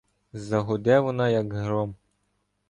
Загуде вона, як гром.